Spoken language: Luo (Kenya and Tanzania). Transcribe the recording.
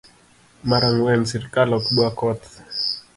mar ang'wen srikal ok dwa koth